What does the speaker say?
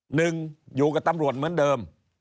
หนึ่งอยู่กับตำรวจเหมือนเดิม